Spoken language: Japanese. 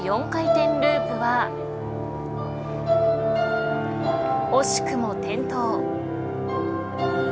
４回転ループは惜しくも転倒。